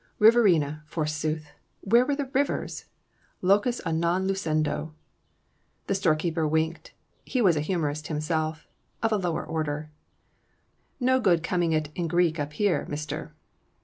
Riverina, forsooth! Where were their rivers? Lucus a non lucendo. The storekeeper winked; he was a humorist himself, of a lower order. "No good coming it in Greek up here, mister."